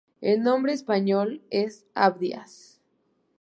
El nombre español es Abdías.